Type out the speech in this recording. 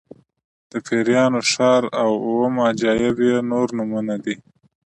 د پیریانو ښار او اووم عجایب یې نور نومونه دي.